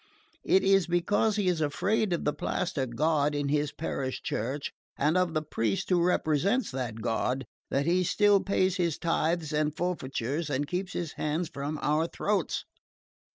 It is because he is afraid of the plaster God in his parish church, and of the priest who represents that God, that he still pays his tithes and forfeitures and keeps his hands from our throats.